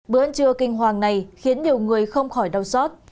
bữa ăn trưa kinh hoàng này khiến nhiều người không khỏi đau xót